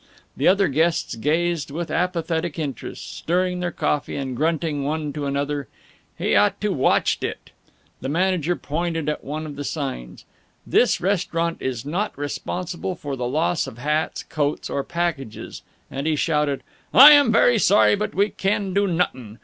The other guests gazed with apathetic interest, stirring their coffee and grunting one to another, "He ought to watched it." The manager pointed at one of the signs, "This restaurant is not responsible for the loss of hats, coats, or packages," and he shouted, "I am very sorry, but we can do nuttin'.